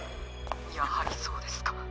「やはりそうですか。